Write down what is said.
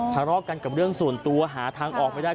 ทะเลาะกันกับเรื่องส่วนตัวหาทางออกไม่ได้